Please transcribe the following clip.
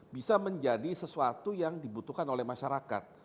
bisa menjadi sesuatu yang dibutuhkan oleh masyarakat